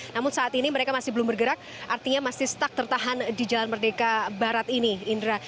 namun saat ini mereka masih belum bergerak artinya masih stuck tertahan di jalan merdeka barat ini indra